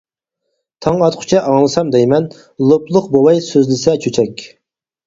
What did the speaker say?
تاڭ ئاتقۇچە ئاڭلىسام دەيمەن، لوپلۇق بوۋاي سۆزلىسە چۆچەك.